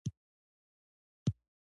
خوړل د طبیعت تازهوالی راولي